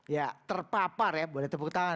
ya terpapar ya boleh tepuk tangan